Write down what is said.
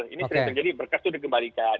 ini sering terjadi berkas itu dikembalikan